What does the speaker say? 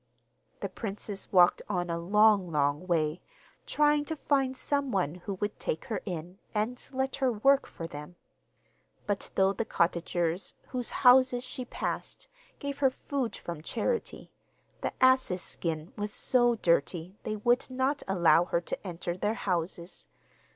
The princess walked on a long, long way, trying to find some one who would take her in, and let her work for them; but though the cottagers, whose houses she passed, gave her food from charity, the ass's skin was so dirty they would not allow her to enter their houses.